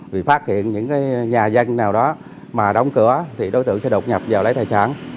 vì phát hiện những nhà dân nào đó mà đóng cửa thì đối tượng sẽ đột nhập vào lấy tài sản